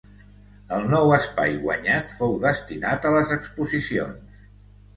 El nou espai guanyat fou destinat a les exposicions.